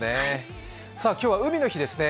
今日は海の日ですね